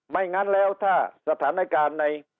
ไม่งั้นแล้วถ้าสถานการณ์ใน